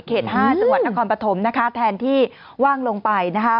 ๕จังหวัดนครปฐมนะคะแทนที่ว่างลงไปนะคะ